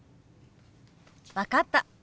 分かった。